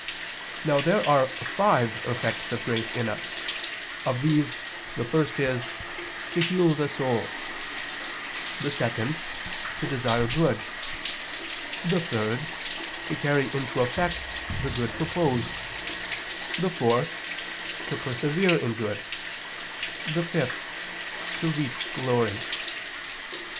Now there are five effects of grace in us: of these, the first is, to heal the soul; the second, to desire good; the third, to carry into effect the good proposed; the fourth, to persevere in good; the fifth, to reach glory.